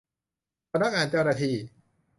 พนักงานเจ้าหน้าที่